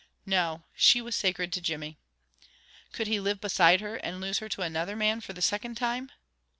No, she was sacred to Jimmy. Could he live beside her, and lose her to another man for the second time?